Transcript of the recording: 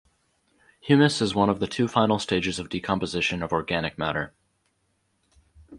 Humus is one of the two final stages of decomposition of organic matter.